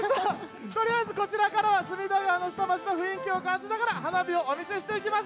こちらからは隅田川の下町の雰囲気を感じながらお見せしていきます。